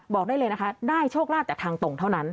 บอกได้เลยนะคะได้โชคลาภจากทางตรงเท่านั้น